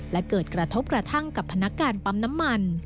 และเกิดกระทบกระทั่งกับพนักงานปั๊มน้ำมัน